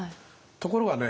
ところがね